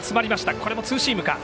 これもツーシームか。